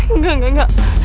enggak enggak enggak